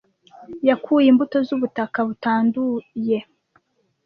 Yakuye imbuto zubutaka butanduye,